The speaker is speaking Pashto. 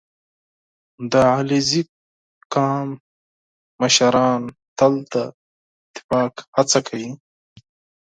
• د علیزي قوم مشران تل د اتفاق هڅه کوي.